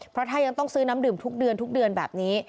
เพราะถ้ายังต้องซื้อน้ำดื่มทุกเดือนทุกเดือนแบบนี้